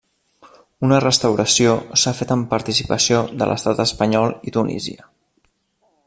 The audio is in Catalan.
Una restauració s'ha fet amb participació de l'estat espanyol i Tunísia.